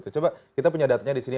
coba kita punya datanya di sini